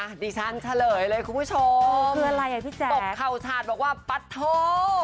ดิฉันเฉลยเลยคุณผู้ชมคืออะไรอ่ะพี่แจ๊ตบเข่าฉาดบอกว่าปัดโท